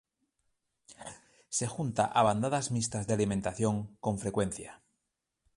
Se junta a bandadas mixtas de alimentación con frecuencia.